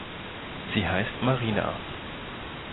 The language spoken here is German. Sie heißt Marina.